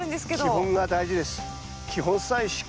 基本が大事です。